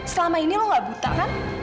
selama ini lo gak buta kan